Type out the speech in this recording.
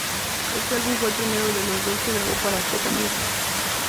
Este álbum fue el primero de los dos que grabó para Azteca Music.